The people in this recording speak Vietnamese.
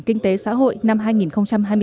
kinh tế xã hội năm hai nghìn hai mươi bốn